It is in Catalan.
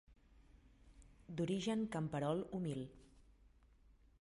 D'origen camperol humil.